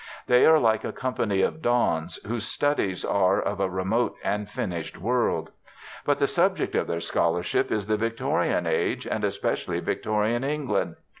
They are like a company of dons whose studies are of a remote and finished world. But the subject of their scholarship is the Victorian age, and especially Victorian England.